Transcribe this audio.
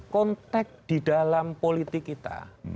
konteks di dalam politik kita